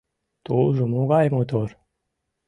— Тулжо могай мотор...